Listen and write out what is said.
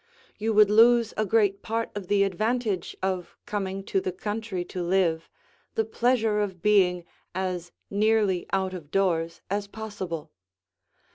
You would lose a great part of the advantage of coming to the country to live, the pleasure of being as nearly out of doors as possible.